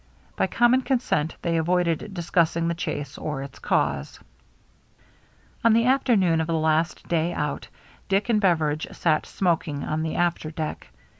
By common consent they avoided discussing the chase or its cause. HARBOR LIGHTS 381 On the afternoon of the last day out, Dick and Beveridge sat smoking on the after deck.